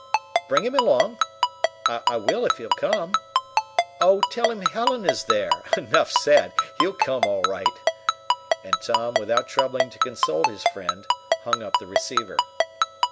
Bring him along? I will if he'll come. Oh, tell him Helen is there! 'Nough said! He'll come, all right!" And Tom, without troubling to consult his friend, hung up the receiver.